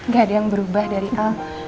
gak ada yang berubah dari a